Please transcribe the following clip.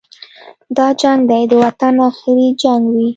دا جنګ دې د وطن اخري جنګ وي.